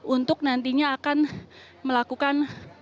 untuk nantinya akan melakukan proses penyerahan dari